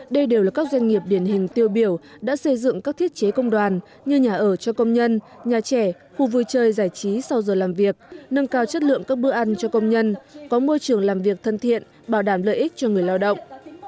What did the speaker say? đây đều là các doanh nghiệp điển hình tiêu biểu đã xây dựng các thiết chế công đoàn như nhà ở cho công nhân nhà trẻ khu vui chơi giải trí sau giờ làm việc nâng cao chất lượng các bữa ăn cho công nhân có môi trường làm việc thân thiện bảo đảm lợi ích cho người lao động